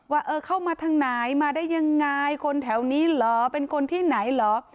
ว่าเออเข้ามาทางไหนมาได้ยังไงคนแถวนี้เหรอเป็นคนที่ไหนเหรอ